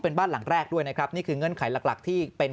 เป็นบ้านหลังแรกด้วยนะครับนี่คือเงื่อนไขหลักที่เป็น